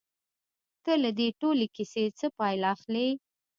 ته له دې ټولې کيسې څه پايله اخلې؟